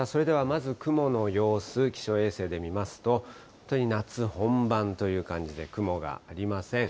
それではまず雲の様子、気象衛星で見ますと、本当に夏本番という感じで雲がありません。